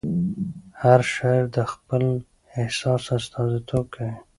هر شاعر د خپل احساس استازیتوب کوي.